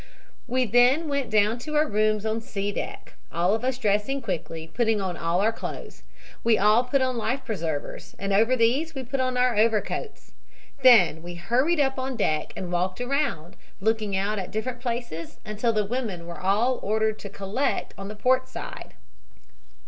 "We then went down to our rooms on C deck, all of us dressing quickly, putting on all our clothes. We all put on life preservers, and over these we put our overcoats. Then we hurried up on deck and walked around, looking out at different places until the women were all ordered to collect on the port side.